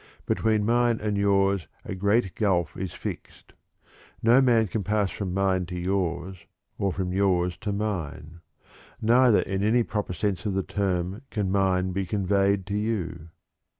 Between mine and yours a great gulf is fixed. No man can pass from mine to yours, or from yours to mine. Neither in any proper sense of the term can mine be conveyed to you.